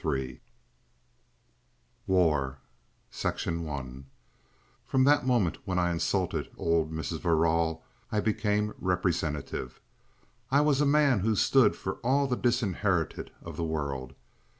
CHAPTER THE FOURTH WAR § 1 From that moment when I insulted old Mrs. Verrall I became representative, I was a man who stood for all the disinherited of the world.